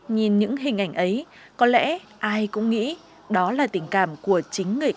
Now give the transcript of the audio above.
nhìn những hình ảnh ấy có lẽ ai cũng nghĩ đó là tình cảm của chính người